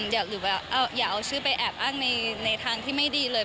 หรือแบบอย่าเอาชื่อไปแอบอ้างในทางที่ไม่ดีเลย